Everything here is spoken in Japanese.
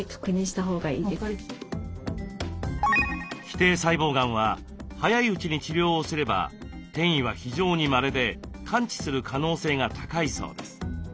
基底細胞がんは早いうちに治療をすれば転移は非常にまれで完治する可能性が高いそうです。